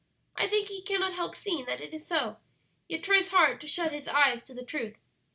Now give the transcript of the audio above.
I think he cannot help seeing that it is so, yet tries hard to shut his eyes to the truth.